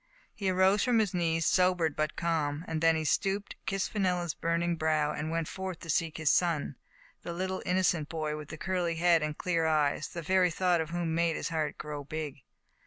He arose from his knees, sobered but calm. Then he stooped, kissed Fenella's burning brow, and went forth to seek his son — the little, inno cent boy, with the curly head and clear eyes, the very thought of whom made his heart grow big.